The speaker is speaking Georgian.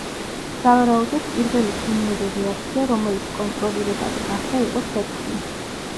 სავარაუდოდ, პირველი ქიმიური რეაქცია, რომელიც კონტროლირებადი გახდა, იყო ცეცხლი.